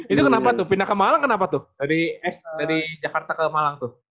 itu kenapa tuh pindah ke malang kenapa tuh dari jakarta ke malang tuh